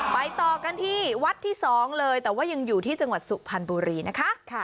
ต่อกันที่วัดที่๒เลยแต่ว่ายังอยู่ที่จังหวัดสุพรรณบุรีนะคะ